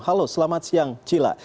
halo selamat siang cila